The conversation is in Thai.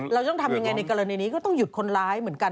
เราต้องทำยังไงในกรณีนี้ก็ต้องหยุดคนร้ายเหมือนกัน